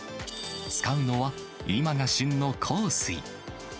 使うのは、今が旬の幸水。